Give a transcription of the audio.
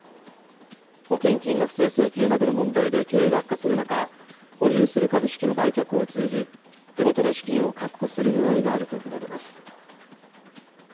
保険金の不正請求などの問題で、経営が悪化する中、保有する株式の売却を通じ、手元の資金を確保するねらいがあると見られます。